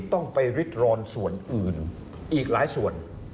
ต้องไปริดรอนส่วนอื่นอีกหลายส่วน